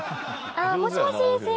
あーもしもし